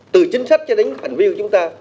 từ chính sách cho đến hành vi của chúng ta